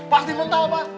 pasti mental bah